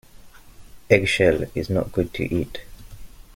Eggshell is not good to eat.